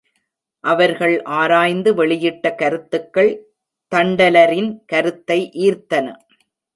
அவர்கள் ஆராய்ந்து வெளியிட்ட கருத்துக்கள் தண்டலரின் கருத்தை ஈர்த்தன.